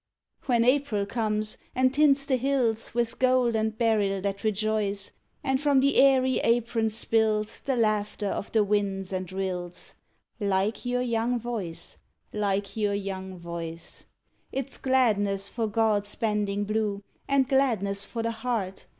When April comes, and tints the hills With gold and beryl that rejoice, And from her airy apron spills The laughter of the winds and rills, Like your young voice, like your young voice: It's gladness for God's bending blue, And gladness for the heart!